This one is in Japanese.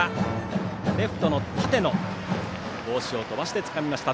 レフトの舘野が帽子を飛ばしてつかみました。